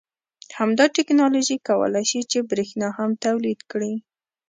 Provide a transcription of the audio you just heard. همدا تکنالوژي کولای شي چې بریښنا هم تولید کړي